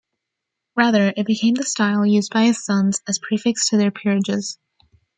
Rather, it became the style used by his sons as prefix to their peerages.